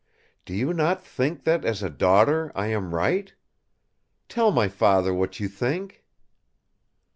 Do you not think that, as a daughter, I am right? Tell my Father what you think!"